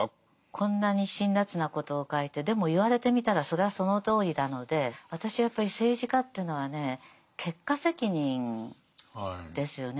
こんなに辛辣なことを書いてでも言われてみたらそれはそのとおりなので私はやっぱり政治家というのはね結果責任ですよね。